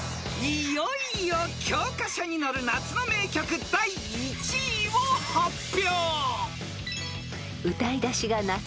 ［いよいよ教科書に載る夏の名曲第１位を発表］